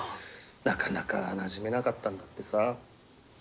なかなかなじめなかったんだってさ。